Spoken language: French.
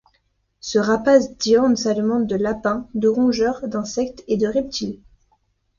Ce rapace diurne s’alimente de lapins, de rongeurs, d’insectes et de reptiles.